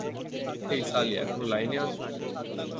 হেই, সালি, এখনো লাইনে আছো?